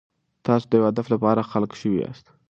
تاسو د یو هدف لپاره خلق شوي یاست.